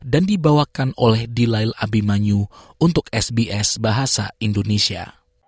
dan dibawakan oleh dilail abimanyu untuk sbs bahasa indonesia